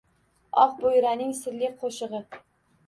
Oqboʼyraning sirli qoʼshigʼi